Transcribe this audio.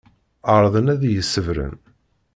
Ɛerḍen ad iyi-ṣebbren.